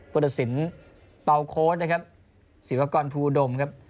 พุทธศิลปาวโค้ดนะครับศิษยากรพูดมครับ